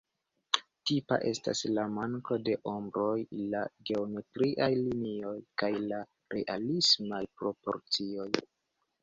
Tipa estas la manko de ombroj, la geometriaj linioj, kaj la realismaj proporcioj.